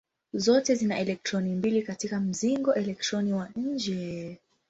Zote zina elektroni mbili katika mzingo elektroni wa nje.